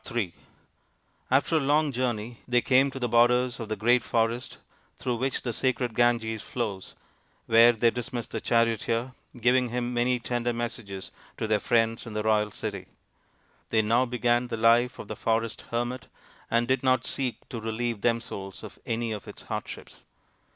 Hi After a long journey they came to the borders of the great forest through which the sacred Ganges RAMA'S QUEST 19 flows, where they dismissed the charioteer, giving him many tender messages to their friends in the royal city. They now began the life of the forest hermit and did not seek to relieve themselves of any of its hardships.